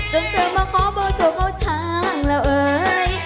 เธอมาขอเบอร์โทรเข้าทางแล้วเอ่ย